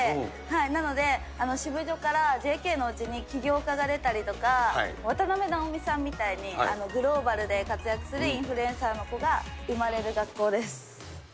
なので、シブジョからＪＫのうちに起業家が出たりとか、渡辺直美さんみたいに、グローバルで活躍するインフルエンサーの子が生まれる学校です。